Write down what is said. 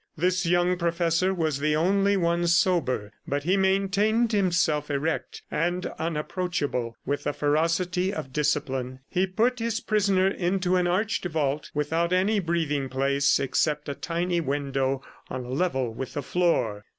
This young professor was the only one sober, but he maintained himself erect and unapproachable with the ferocity of discipline. He put his prisoner into an arched vault without any breathing place except a tiny window on a level with the floor.